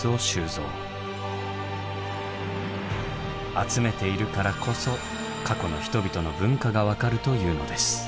集めているからこそ過去の人々の文化が分かるというのです。